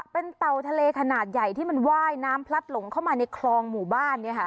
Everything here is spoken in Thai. เป็นเต่าทะเลขนาดใหญ่ที่มันว่ายน้ำพลัดหลงเข้ามาในคลองหมู่บ้าน